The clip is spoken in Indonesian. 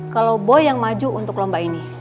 kalau boy yang maju untuk lomba ini